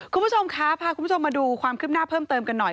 คุณผู้ชมคะพาคุณผู้ชมมาดูความคืบหน้าเพิ่มเติมกันหน่อย